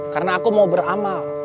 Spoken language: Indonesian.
karena aku mau beramal